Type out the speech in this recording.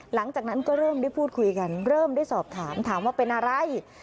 หลังจากนั้นก็เริ่มได้พูดคุยกันเริ่มได้สอบถามถามว่าเป็นอะไร